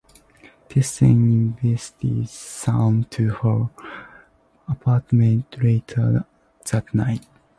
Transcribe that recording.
Tess then invites Sam to her apartment later that night.